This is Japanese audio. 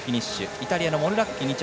イタリアのモルラッキ２着。